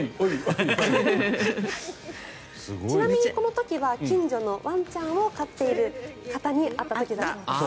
ちなみにこの時は近所のワンちゃんを飼っている方に会った時だそうです。